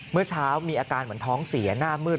เมื่อเช้ามีอาการเหมือนท้องเสียหน้ามืด